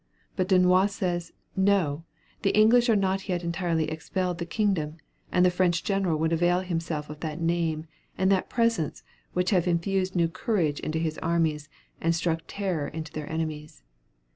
But Dunois says, No! The English are not yet entirely expelled the kingdom, and the French general would avail himself of that name, and that presence, which have infused new courage into his armies, and struck terror to their enemies.